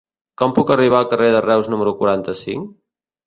Com puc arribar al carrer de Reus número quaranta-cinc?